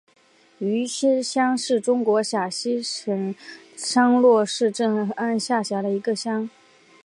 余师乡是中国陕西省商洛市镇安县下辖的一个乡。